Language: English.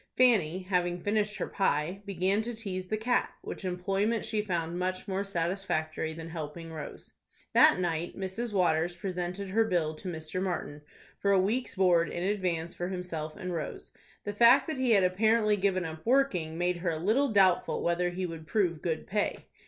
Fanny, having finished her pie, began to tease the cat, which employment she found much more satisfactory than helping Rose. That night Mrs. Waters presented her bill to Mr. Martin for a week's board in advance for himself and Rose. The fact that he had apparently given up working made her a little doubtful whether he would prove good pay.